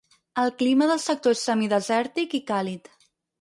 El clima del sector és semidesèrtic i càlid.